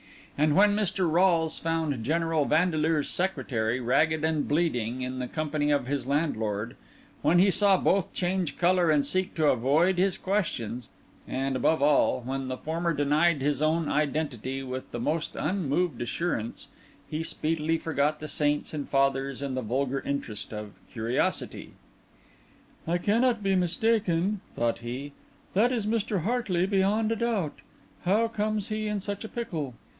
And when Mr. Rolles found General Vandeleur's secretary, ragged and bleeding, in the company of his landlord; when he saw both change colour and seek to avoid his questions; and, above all, when the former denied his own identity with the most unmoved assurance, he speedily forgot the Saints and Fathers in the vulgar interest of curiosity. "I cannot be mistaken," thought he. "That is Mr. Hartley beyond a doubt. How comes he in such a pickle?